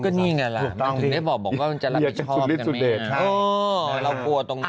ก็นี่ไงล่ะถึงได้บอกว่าจะรับผิดชอบกันไหมอ๋อเรากลัวตรงนี้